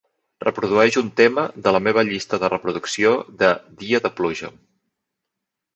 Reprodueix un tema de la meva llista de reproducció de "dia de pluja".